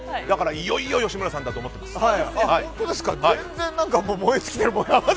だからいよいよ吉村さんだと思ってます。